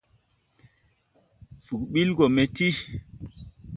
Fug ɓil gɔ me ti.